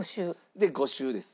で５週です。